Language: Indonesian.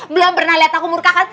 belum pernah lihat aku murka kan